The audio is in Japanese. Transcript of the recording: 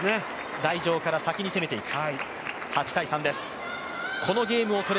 台上から先に攻めていく。